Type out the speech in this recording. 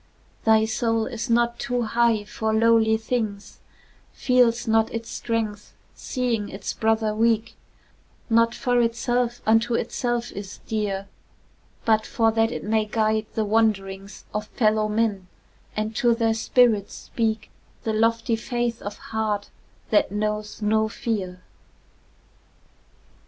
Thy soul is not too high for lowly things, Feels not its strength seeing its brother weak, Not for itself unto itself is dear, But for that it may guide the wanderings Of fellow men, and to their spirits speak The lofty faith of heart that knows no fear.